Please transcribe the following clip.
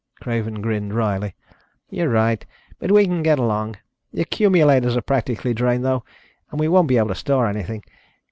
Craven grinned wryly. "You're right, but we can get along. The accumulators are practically drained, though, and we won't be able to store anything.